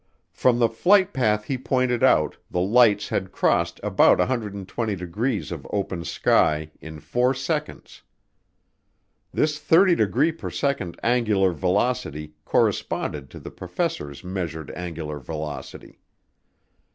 From the flight path he pointed out, the lights had crossed about 120 degrees of open sky in four seconds. This 30 degree per second angular velocity corresponded to the professors' measured angular velocity.